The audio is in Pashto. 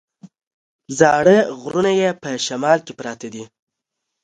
زاړه غرونه یې په شمال کې پراته دي.